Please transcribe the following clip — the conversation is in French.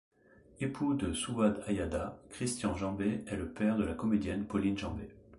Époux de Souâd Ayada, Christian Jambet est le père de la comédienne Pauline Jambet.